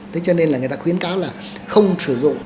thế cho nên là người ta khuyến cáo là không sử dụng